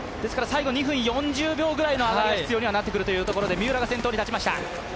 最後２分４０秒ぐらいが必要になってくるということで三浦が先頭に立ちました。